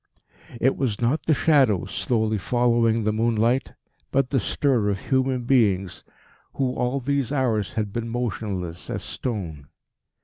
It was not the shadows slowly following the moonlight, but the stir of human beings who all these hours had been motionless as stone.